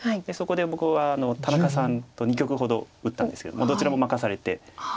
そこで僕は田中さんと２局ほど打ったんですけどどちらも負かされて。